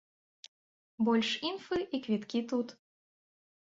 Больш інфы і квіткі тут.